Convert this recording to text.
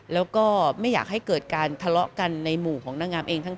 แล้วก็ไม่อยากให้เกิดการทะเลาะกันในหมู่ของนางงามเอง